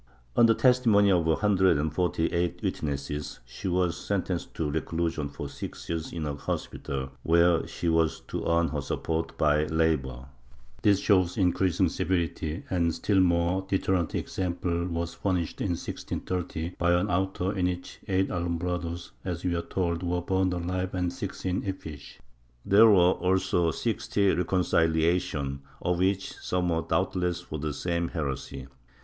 On the testimony of a hundred and forty eight witnesses, she was sentenced to reclusion for six years in a hospital, where she was to earn her support by labor.^ This shows increasing severity, and a still more deterrent exam ple was furnished, in 1630, by an auto in which eight Alumbrados, as we are told, were burned alive and six in effigy. There were also sixty reconciliations, of which some were doubtless for the same heresy.